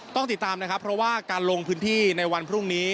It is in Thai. ต้องติดตามนะครับเพราะว่าการลงพื้นที่ในวันพรุ่งนี้